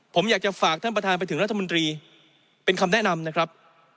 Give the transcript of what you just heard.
ผมอยากจะฝากท่านประธานไปถึงรัฐมนตรีเป็นคำแนะนำนะครับ